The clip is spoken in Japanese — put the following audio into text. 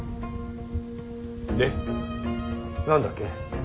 で何だっけ。